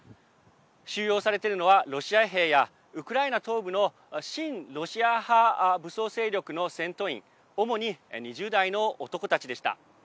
収容されているのはロシア兵やウクライナ東部の親ロシア派武装勢力の戦闘員主に２０代の男たちでした。